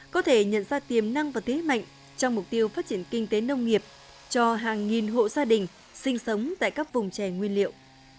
có thể nhận ra tiềm năng và thế mạnh trong mục tiêu phát triển kinh tế nông nghiệp cho hàng nghìn hộ gia đình sinh sống tại các vùng chè nguyên liệu